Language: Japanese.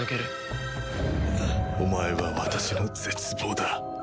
お前は私の絶望だ。